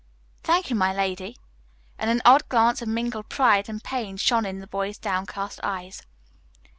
"Thank you, my lady." And an odd glance of mingled pride and pain shone in the boy's downcast eyes.